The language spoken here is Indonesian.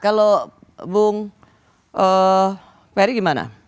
kalau bung ferry gimana